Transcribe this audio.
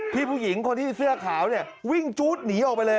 ผู้หญิงคนที่เสื้อขาวเนี่ยวิ่งจู๊ดหนีออกไปเลย